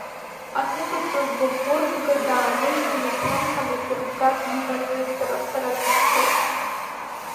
Аҭыԥаҿы Бахәырбга дааныжьны, Мышәлымҳа нышәырбга диманы шәарацара дцет.